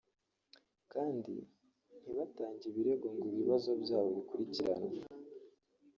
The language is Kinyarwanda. kandi ntibatange ibirego ngo ibibazo byabo bikurikiranwe